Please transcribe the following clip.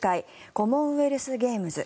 コモンウェルスゲームズ。